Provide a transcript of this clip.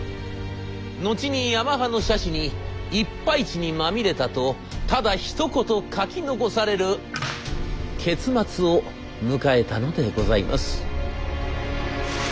後にヤマハの社史に「一敗地にまみれた」とただひと言書き残される結末を迎えたのでございます。